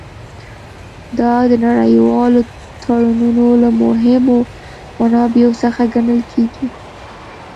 دا د نړیوالو تړونونو له مهمو منابعو څخه ګڼل کیږي